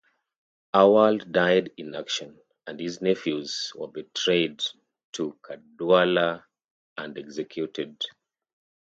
Arwald died in action, and his nephews were betrayed to Caedwalla and executed.